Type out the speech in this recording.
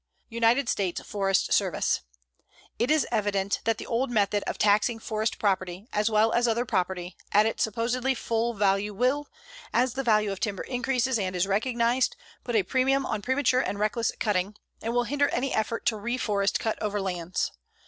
UNITED STATES FOREST SERVICE: It is evident that the old method of taxing forest property, as well as other property, at its supposedly full value will, as the value of timber increases and is recognized, put a premium on premature and reckless cutting, and will hinder any effort to reforest cut over lands.